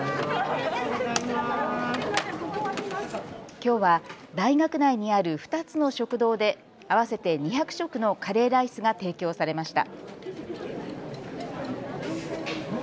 きょうは大学内にある２つの食堂で合わせて２００食のカレーライスが提供されました。